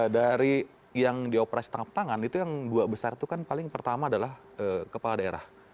dari yang di operasi tangkap tangan itu yang dua besar itu kan paling pertama adalah kepala daerah